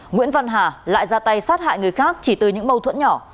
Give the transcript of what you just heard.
nguyễn văn hà lại ra tay sát hại người khác chỉ từ những mâu thuẫn nhỏ